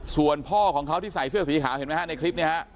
ส่วนพ่อของเขาที่ใส่เสื้อสีขาวเห็นไหมฮะในคลิปนี้ฮะ